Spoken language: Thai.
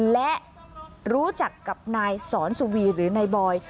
และรู้จักกับนายศรสุหวีหรือไนบอย